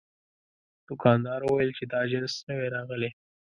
دوکاندار وویل چې دا جنس نوی راغلی.